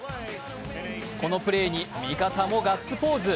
このプレーに味方もガッツポーズ。